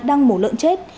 đang mổ lợn chết